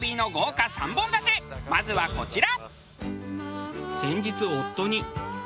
まずはこちら。